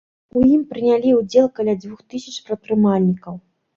У ім прынялі ўдзел каля дзвюх тысяч прадпрымальнікаў.